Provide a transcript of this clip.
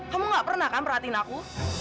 kamu gak pernah kan perhatiin aku